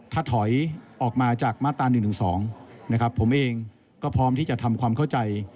ถ้าถอยออกมาจากมาตรา๑๑๒นะครับผมเองก็พร้อมที่จะทำความเข้าใจ